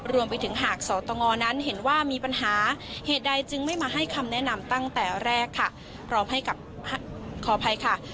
รวมไปถึงหากสตงนั้นเห็นว่ามีปัญหาเหตุใดจึงไม่มาให้คำแนะนำตั้งแต่แรกค่ะ